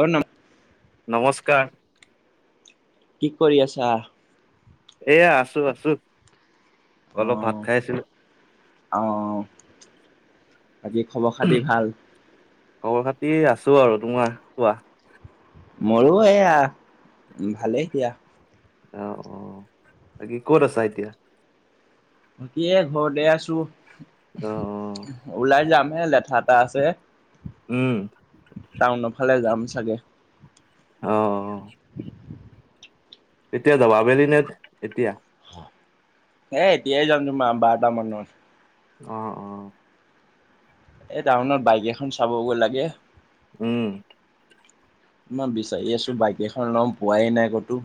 অ ন [unintelligible] নমস্কাৰ কি কৰি আছা? এয়া আছো আছো অলপ ভাত আহ খাই আছিলো আহ বাকী খবৰ খাতি ভাল? খবৰ খাতি আছোঁ আৰু তোমাৰ কোৱা? মোৰো এইয়া ভালেই দিয়া অ অ বাকি ক'ত আছা এতিয়া? বাকী এ ঘৰতে আছো অ অ ওলাই যাম হে লেঠা এটা আছে উম টাউনৰ ফালে যাম চাগে অ অ এতিয়া যাবা আবেলি নে এতিয়া এ এতিয়াই যাম তোমাৰ বাৰটা মানত অ অ এই টাউনত বাইক এখন চাবগৈ লাগে উম ইমান বিচাৰি আছোঁ বাইক এখন ল'ম পোৱাই নাই ক'তো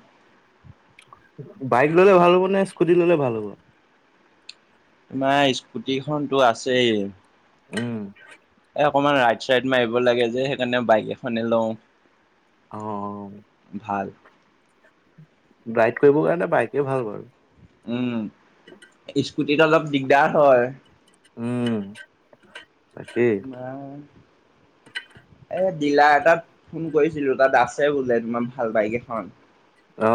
বাইক ললে ভাল হ'ব নে স্কুটি ললে ভাল হ'ব? তোমাৰ স্কুটি খনতো আছেই! উম। এ অকণমান ৰাইট চাইড মাৰিব লাগে যে সেইকাৰণে বাইক এখনে লওঁ। অ। ভাল। ৰাইড কৰিবৰ কাৰণে বাইকে ভাল বাৰু। উম, স্কুটিত অলপ দিগদাৰ হয়। উম। তাকেই বা [unintelligible] এ দিলাৰ এটাত ফোন কৰিছিলো তাত আছে বোলে তোমাৰ ভাল বাইক এখন। অ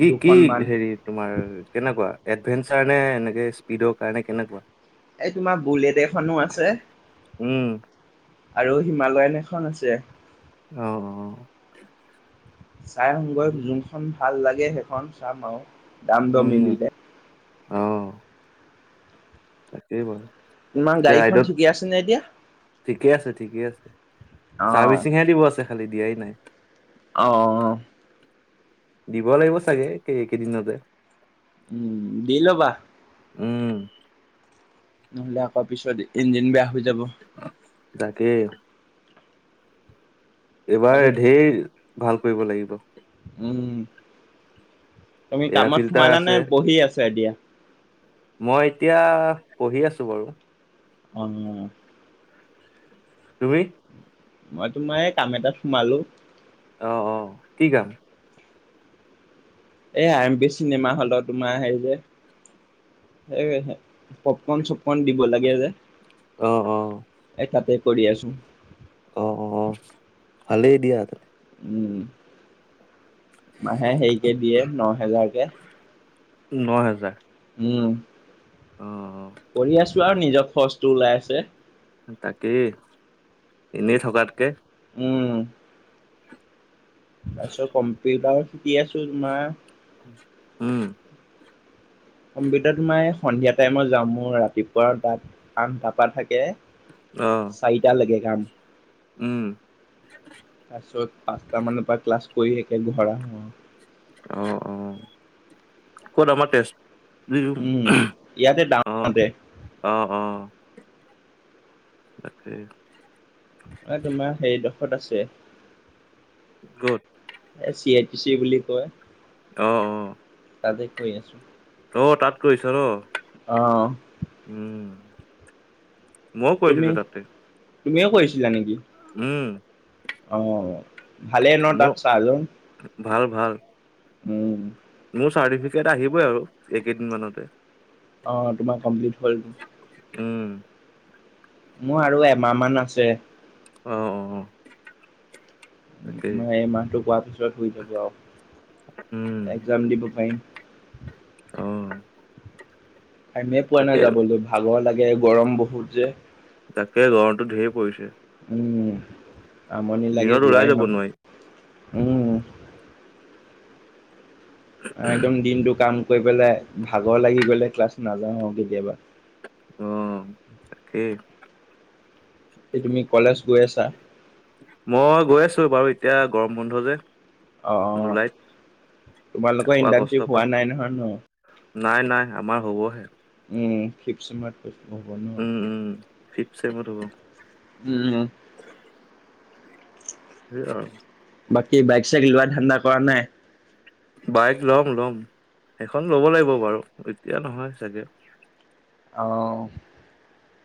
কি কি দুখন মান হেৰি তোমাৰ কেনেকুৱা? এডভেঞ্চাৰ নে এনেকে স্পীডৰ কাৰণে কেনেকুৱা? এই তোমাৰ বুলেট এখনো আছে। উম আৰু হিমালয়ন এখন আছে। অ। চাই আহোম অ গৈ যোনখন ভাল লাগে সেইখন চাম আৰু দাম দৰ উম মিলিলে। অ তাকেই বাৰু। ইমান গাড়ীখন ঠিকি আছে নে এতিয়া? ঠিকে আছে ঠিকে আছে, অ চাৰ্ভিচিংহে দিব আছে খালি দিয়াই নাই। অ। দিব লাগিব চাগে এইকেইদিনতে। উম দি ল'বা। উম। নহ'লে আকৌ পিছত ইঞ্জিন বেয়া হৈ যাব। অ তাকেই। এইবাৰ বাকী ধেৰি ভাল কৰিব লাগিব। উম, তুমি এয়াৰ কামত ফিল্টাৰ সোমালা আছে নে বহি আছো এতিয়া? মই এতিয়া পঢ়ি আছো বাৰু। অ। তুমি? মই তোমাৰ এই কাম এটাত সোমালো। অ অ, কি কাম? এই আৰ এম পি চিনেমা হলত তোমাৰ হেৰি যে, এ পপকন চ কন দিব লাগে যে, অ অ এ তাতে কৰি আছো। অ, ভালেই দিয়া। উম, মাহে হেৰিকে দিয়ে ন হেজাৰকে। ন হেজাৰ। উম অ কৰি আছো আৰু নিজৰ খচটো ওলাই আছে। তাকেই, এনেই থকাতকে। উম। তাৰপিছত কম্পিউটাৰ শিকি আছো তোমাৰ। উম। কম্পিউটাৰ তোমাৰ মই সন্ধিয়া টাইমত যাম ৰাতিপুৱা দাত আঠটাপা থাকে। অহ। চাৰিটা লাগে কাম। উম। তাৰ পিছত পাঁচটা মানৰ পৰা ক্লাছ কৰি থাকে ঘৰা আহ। অ অহ, কত আমাৰ তেজ লিও উম উঁহ, ইয়াতে অহ ডাঙৰতে অহ অ। তাকেই। অ তোমাৰ হেৰিডোখত আছে ক'ত এ চি এট চি বুলি কয় অ অ তাতে কৈ আছো অ তাত কৰিছ ন অ অ উম মইও তুমি কৰিছিলো তাতে তুমিও কৈছিলা নেকি উম অ ভালেই ন তাত মোৰ চাহজন ভাল ভাল উম মোৰ চাৰ্টিফিকেট আহিবই আৰু এইকেইদিন মানতে অ তোমাৰ কমপ্লিট হ'ল উম মোৰ আৰু এমাহ মান আছে অ অ তাকেই তোমাৰ এই মাহটো পোৱাৰ পিছত হৈ যাব আও উম একজাম দিব পাইম অ টাইমে পোৱা তাকে নাই যাবলৈ ভাগৰ লাগে গৰম বহুত যে। তাকে গৰমটো ধেই পৰিছে। উম আমনি লাগে দিনত ওলাই যোৱাই যাব নহয়। নোৱাৰি উম। একদম দিনটো কাম কৰি পেলাই ভাগৰ লাগি গলে ক্লাছ নাযাওঁ কেতিয়াবা। অ তাকেই। কি তুমি কলেজ গৈ আছা মই গৈ আছো বাৰু এতিয়া গৰম বন্ধ যে অ অ জুলাইত তোমালোকৰ আকৌ আগষ্টৰ ইণ্টাৰ্ণশ্বিপ পৰা হোৱা নাই নহয় ন নাই নাই আমাৰ হ'বহে উম ফিপ চেমত হ'ব ন ফিপ ছেমৰ হ'ব উম অ [unintelligible] বাকী বাইক চাইক লোৱা ধান্ডা কৰা নাই বাইক ল'ম ল'ম সেইখন ল'ব লাগিব বাৰু এতিয়া নহয় চাগে। অহ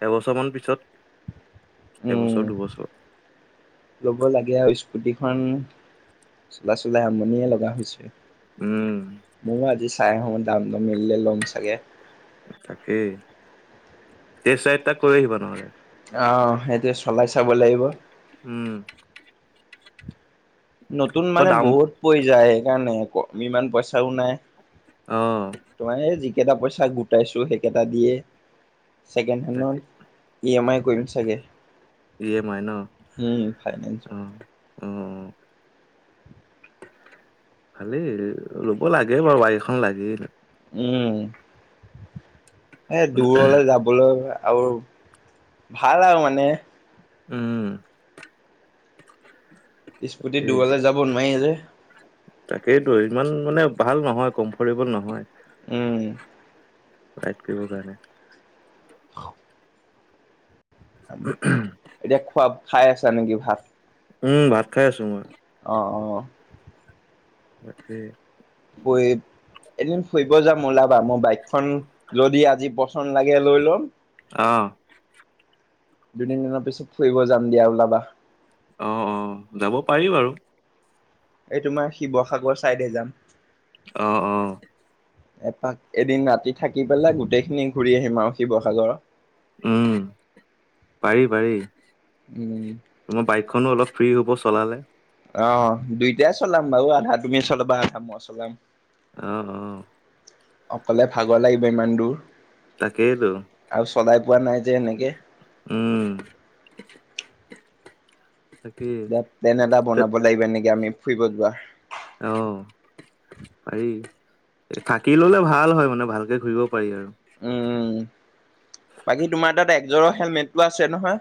এবছমান পিছত। উম এবছৰ দুবছৰ লব লাগে আও স্কুটিখন। চলাই চলাই আমনিয়ে লগা হৈছে। উম ময়ো আজি চাই আহো দাম দামো মিলিলে ল'ম চাগে। তাকেই তেচায়েটা কৰি আহিবা নহলে। অ সেইটোৱে চলাই চাব লাগিব। উম নতুন আকৌ মানে দাম বহুত পৰি যায় সেইকাৰণে ক আমি ইমান পইচাও নাই। অ তোমাৰ এই যিকেইটা পইচা গোটাইছো সেইকেইটা দিয়ে ছেকেণ্ড হেনত তাকে ই এম আই কৰিম তাকে চাগে। ই এম আই ন হুম অ ফাইনেঞ্চত অ ভালেই ল'ব লাগে বাৰু বায়েক এখন লাগেই। উম এই দূৰলে যাব বলৈ আও ভাল আও মানে। উম, স্পুটিত এই দুৱলে যাব নোৱাই যে। তাকেইতো ইমান মানে ভাল নহয় কম্ফটেবল নহয়। উম, দাইট কৰিব জানে। [unintelligible] এতিয়া খোৱাপ খাই আছা নেকি ভাত? উম, ভাত খাই আছো মই। অ', অ', বাতৰে পইব এদিন ফুৰিব যাম ওলাবা মই বাইকখন যদি আজি বচ খন লাগে লৈ ল'ম। অ', দুই, তিনদিনৰ পিছত ফুৰিব যাম দিয়া ওলাবা। অ', অ', যাব পাৰি বাৰু। এই তোমাৰ শিৱসাগৰ চাইদে যাম। অ', অ', এপাক এদিন ৰাতি থাকি পেলাই গোটেইখিনি ঘূৰি আহিম আৰু শিৱসাগৰ। উম, পাৰি-পাৰি। উম, মোৰ বাইকখনো অলপ ফ্ৰী হ'ব চলালে। অ, দুইটাই চলাম বাৰু আধা তুমি চলাবা আধা মই চলাম। অ', অ', অকলে ভাগৰ লাগিব ইমান দূৰ। তাকেইটো। আৰু চলাই পোৱা নাই যে এনেকে। উম, তাকে। এতিয়া প্লেন এটা বনাব লাগিব এনেকে আমি ফুৰিব যোৱা। অ', পাৰি থাকি ল'লে ভাল হয় মানে ভালকে ঘুৰিব পাৰি আৰু। উম- উম বাকী তোমাৰ তাত একজৰ হেলমেটটো আছে নহয়?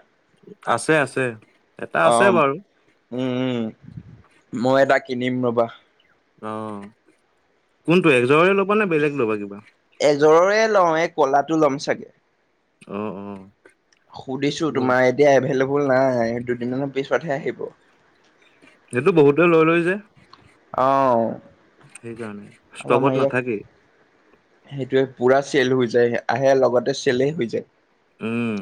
আছে -আছে এটা আছে বাৰু। উম- উম মই এটা কিনিম ৰবা। অ, কোনটো এজৰে ল'বা নে বেলেগ ল'বা কিবা? এজৰৰে লওঁ এই কলাটো ল'ম ছাগে। অ', অ', সুধিছোঁ গ'ল তোমাৰ এতিয়া এভেইলেবল নাই দুদিনমানৰ পিছতহে আহিব। এইটো বহুতে লৈ লয় যে? অ', সেইকাৰণে ষ্টকত নাথাকে। সেইটোৱেই পুৰা চেল হৈ যায় আহে লগতে চেলেই হৈ যায়। উম,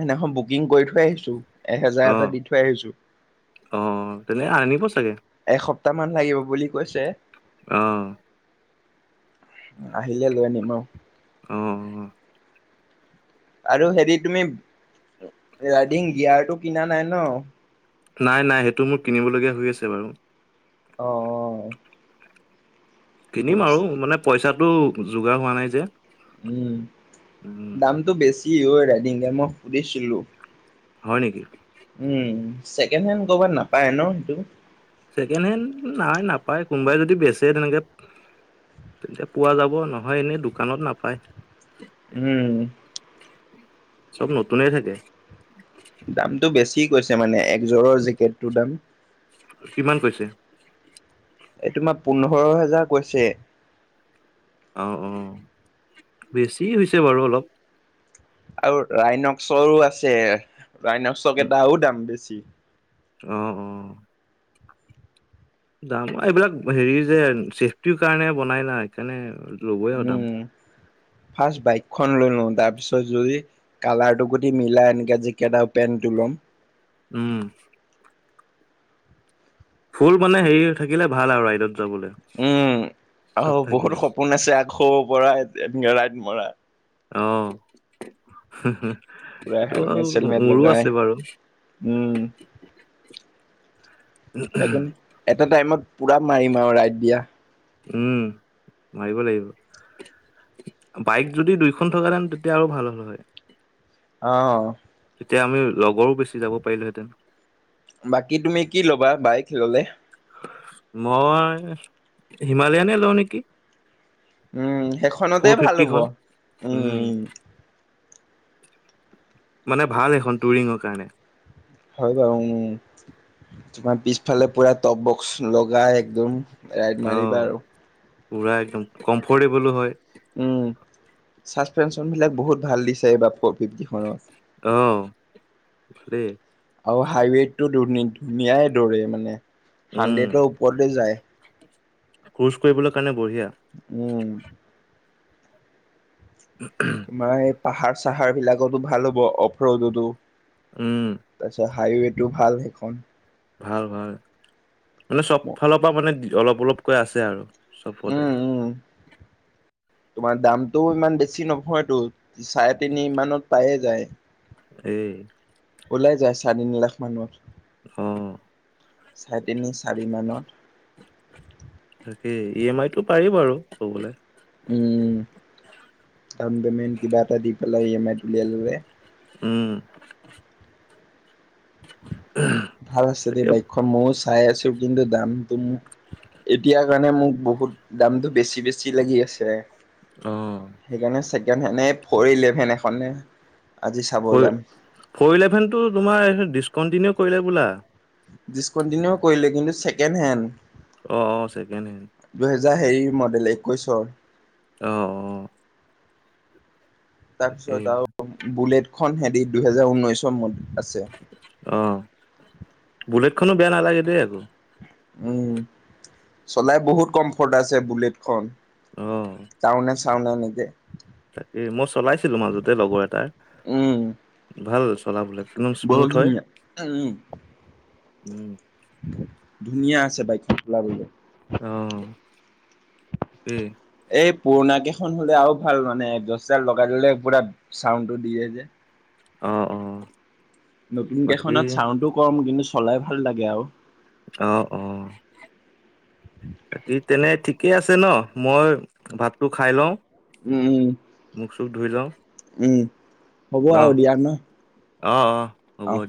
সিদনাখন বুকিং কৈ থৈ আহিছোঁ এহেজাৰ অ এটা দি থৈ আহিছোঁ। অ, তেনে আনিব চাগে। এসপ্তাহ মান লাগিব বুলি কৈছে। অ', আহিলে লৈ আনিম আওঁ। অ', অ', আৰু হেৰি তুমি ৰাইডিং গিয়াৰ টো কিনা নাই ন'? নাই- নাই সেইটো মোৰ কিনিবলগীয়া হৈ আছে বাৰু। অঁ। কিনিম বুজ আৰু মানে পইচাটো যোগাৰ হোৱা নাই যে। উম উম দামটো বেছি হয় ৰাইডিংকে মই সুধিছিলো। হয় নেকি। উম চেকেণ্ড হেণ্ কৰ'বাত নাপায় ন সেইটো? ছেকেণ্ড হেণ্ড নাই নাপায় কোনোবাই যদি বেচে তেনেকে তেতিয়া পোৱা যাব নহয় এনে দোকানত নাপায়। উম। চব নতুনে থাকে। দামটো বেছি কৈছে মানে একযোৰৰ জেকেটটোৰ দাম। কিমান কৈছে এই তোমাৰ পোন্ধৰ হেজাৰ কৈছে। অঁ অঁ বেছি হৈছে বাৰু অলপ। আৰু ৰাইনক্সৰো আছে ৰাইনক্সক এটাও দাম বেছি। অঁ অঁ। দাম এইবিলাক হেৰি যে চছেফটিৰ কাৰণে বনাই না সেইকাৰণে ল'বই আৰু দাম। ফাৰ্ষট বাইকখন লৈ লওঁ তাৰপিছত যদি কালাৰটো গোট মিলাই এনে যিকেইটা পেণ্টো ল'ম। উম। ফুল মানে হেৰি থাকিলে ভাল আৰু ৰাইডত যাবলে। উম আৰু বহুত সপোন আছে আকৌ পৰা ৰাইড মৰা। অহ। পুৰা এইটো হেলমেট চেলমেট মোৰো লগাই আছে বাৰু- উম, একো নাই এটা টাইমত পুৰা মাৰিম আৰু ৰাইত দিয়া। উম মাৰিব লাগিব। বাইক যদি দুইখন থকাতেন তেতিয়া আৰু ভাল হ'ল হয়। অঁ। তেতিয়া আমি লগৰো বেছি যাব পাৰিলোহেতেন। বাকী তুমি কি ল'বা বাইক ললে? মই হিমালয়ানে লওঁ নেকি। উম সেইখনতে ফৰ ভাল হ'ব। ফিফটিখন উম। মানে ভাল এখন টুৰিঙৰ কাৰণে। হয় বাৰু তোমাৰ পিছফালে পুৰা টপ বক্স লগাই একদম ৰাইড অহ মাৰিবা আৰু। পুৰা একদম কম্ফৰ্টেবলো হয়। উম চাচপেনচন বিলাক বহুত ভাল দিছে এইবাৰ ফ'ৰ ফিফটিখনত। আহ দে। আৰু হাইৱেটো ধ ধুনীয়াই দৰে মানে উম হাড্ৰেতৰ ওপৰতে যায়। ক্ৰোচ কৰিবলৈ কাৰণে বঢ়িয়া। উম। উ [unintelligible] মান এই পাহাৰ চাহাৰ বিলাকতো ভাল হ'ব অফ্ৰ ৰোডতো উম। তাৰপিছত হাইৱেটো ভাল সেইখন। ভাল ভাল, মানে চব ফালৰ পৰা মানে অলপ অলপকৈ আছে আৰু উম চবতে। উম তোমাৰ দামটোও ইমান বেছি নহয়তো চাৰে তিনি মানত পায়ে যায়। এই। ওলাই যায় চাৰে তিনি লাখ মানত অ চাৰে তিনি চাৰি মানত। তাকেই ই এ মাই টো পাৰি বাৰু থবলে। উম, ডাউন পেমেন্ট কিবা এটা দি পেলাই ই এমা আইত উলিয়াই ল'লে- উম। ভাল আছে দেই তাকে বাইকখন ময়ো চাই আছোঁ কিন্তু দামটো এতিয়াৰ কাৰণে মোক বহুত দামতটো বেছি-বেছি লাগি আছে। অ' সেইকাৰণে ছেকেণ্ড হেণ্ডে ফ'ৰ ইলেভেন এখনে আজি চাব ফৰ যাম। ফ'ৰ ইলেভেনটো তোমাৰ ডিছকণ্টিনিউ কৰিলে বোলা। ডিচকণ্টিনিউ কৰিলে কিন্তু ছেকেণ্ড হেণ্ড। অ'-অ'ছেকেণ্ড হেণ্ড। দুহেজাৰ হেৰিৰ মডেল একৈশৰ। অ'-অ' তাকেই তাৰপিছত আৰু বুলেট খন হেৰি দুহেজাৰ ঊনৈশৰ মডেল আছে। অ' বুলেটখনো বেয়া নালাগে দেই আকৌ। উম চলাই বহুত কমফৰ্ট আছে বুলেটখন। অ টাউ চাওণ্ডে নিদে। তাকেই মই চলাইছিলো মাজতে লগৰ এটাৰ উম, ভাল চলাবলে। একদম বহুত স্মুথ হয় ধুনীয়া। উম, উম। ধুনীয়া আছে বাইকখন চলাবলৈ। অ'। কি? এই পুৰণা কেইখন হ'লে আৰু ভাল মানে [unintelligible] লগাই ল'লে পুৰা চাউডটো দিয়ে যে। অ'-অ'। নতুন কেইখনত চাউণ্ডো কম কিন্তু চলাই ভাল লাগে আৰু। অ'-অ'। বাকী তেনে ঠিকেই আছে ন' মই ভাতটো খাই লওঁ। মুখ চুখ ধুই লওঁ উম-উম-উম হ'ব আৰু দিয়া ন'। অ'-অ' অ'